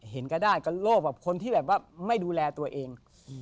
เห็นก็ได้กระโล่แบบคนที่แบบว่าไม่ดูแลตัวเอง